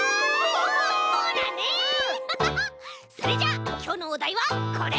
それじゃあきょうのおだいはこれ！